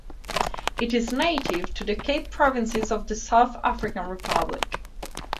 It is native to the Cape Provinces of the South African Republic.